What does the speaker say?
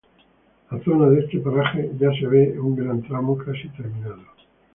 La zona de este paraje ya se ve un gran tramo casi terminado.